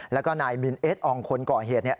แล้วก็นายมินเอสองค์คนเกาะเหตุ